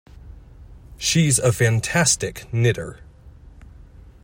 She's a fantastic knitter.